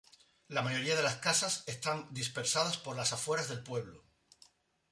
La mayoría de casas están dispersadas por las afueras del pueblo.